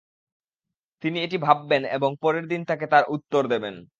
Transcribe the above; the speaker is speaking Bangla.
তিনি এটি ভাববেন এবং পরের দিন তাকে তার উত্তর দেবেন।